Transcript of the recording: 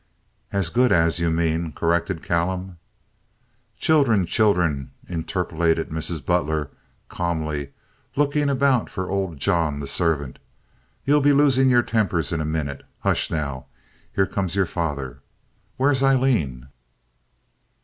"As good as, you mean," corrected Callum. "Children, children!" interpolated Mrs. Butler, calmly, looking about for old John, the servant. "You'll be losin' your tempers in a minute. Hush now. Here comes your father. Where's Aileen?"